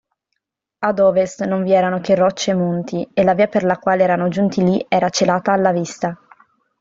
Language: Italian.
Ad ovest non vi erano che rocce e monti, e la via per la quale erano giunti lì era celata alla vista.